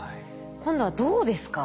今度は銅ですか。